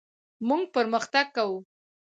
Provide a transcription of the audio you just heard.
موږ پرمختګ کوو.